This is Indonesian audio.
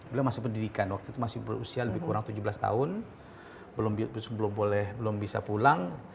beliau masih pendidikan waktu masih berusia lebih kurang tujuh belas tahun belum bisa boleh belum bisa pulang